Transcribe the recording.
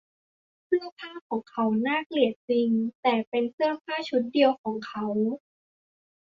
เสื้อผ้าของเขาน่าเกลียดจริง แต่เป็นเสื้อผ้าชุดเดียวของเขา